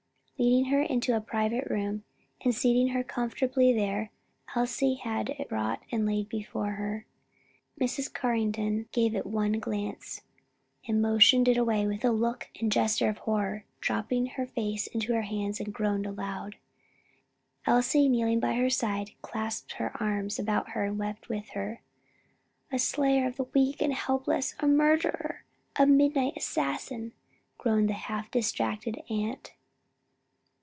Leading her into a private room, and seating her comfortably there Elsie had it brought and laid before her. Mrs. Carrington gave it one glance, and motioning it away with a look and gesture of horror, dropped her face into her hands and groaned aloud. Elsie kneeling by her side, clasped her arms about her and wept with her. "A slayer of the weak and helpless a murderer a midnight assassin!" groaned the half distracted aunt.